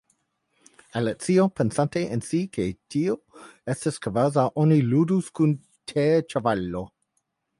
Alicio, pensante en si ke tio estas kvazaŭ oni ludus kun tirĉevalo.